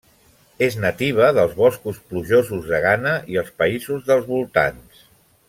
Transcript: És nativa dels boscos plujosos de Ghana i els països dels voltants.